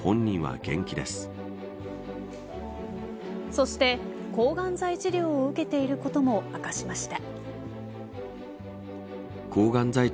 そして、抗がん剤治療を受けていることも明かしました。